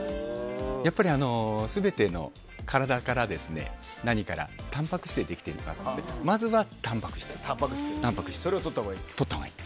やっぱり全ての体から何からたんぱく質でできていますのでまずは、たんぱく質をとったほうがいい。